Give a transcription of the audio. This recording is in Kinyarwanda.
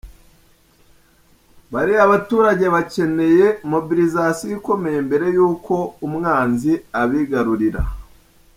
Bariya baturage bakeneye mobilisation ikomeye mbere y’uko Umwanzi abigarurira.